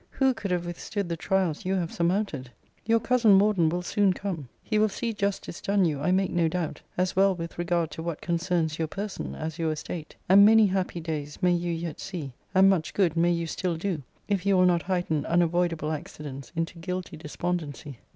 Who could have withstood the trials you have surmounted? Your cousin Morden will soon come. He will see justice done you, I make no doubt, as well with regard to what concerns your person as your estate. And many happy days may you yet see; and much good may you still do, if you will not heighten unavoidable accidents into guilty despondency.